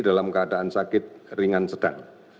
dalam keadaan sakit ringan sedang